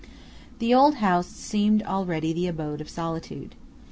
The old house seemed already the abode of Solitude.